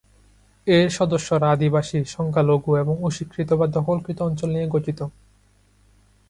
এর সদস্যরা আদিবাসী, সংখ্যালঘু, এবং অস্বীকৃত বা দখলকৃত অঞ্চল নিয়ে গঠিত।